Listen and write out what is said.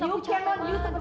ayo yuk temen temen ayah